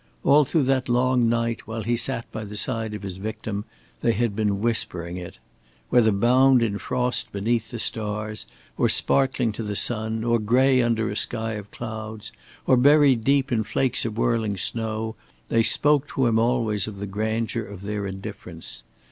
All through that long night, while he sat by the side of his victim, they had been whispering it. Whether bound in frost beneath the stars, or sparkling to the sun, or gray under a sky of clouds, or buried deep in flakes of whirling snow, they spoke to him always of the grandeur of their indifference.